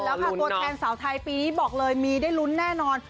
แล้วค่ะตัวแทนสาวไทยปีนี้บอกเลยมีได้ลุ้นแน่นอน